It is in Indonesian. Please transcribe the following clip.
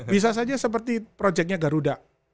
bisa saja seperti proyeknya garuda